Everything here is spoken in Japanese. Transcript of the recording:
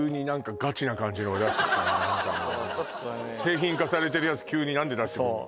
あなたも製品化されてるやつ急に何で出してくんの？